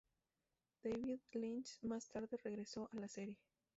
David Lynch más tarde regresó a la serie.